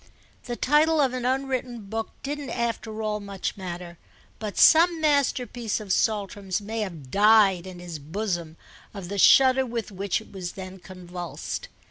The title of an unwritten book didn't after all much matter, but some masterpiece of Saltram's may have died in his bosom of the shudder with which it was then convulsed.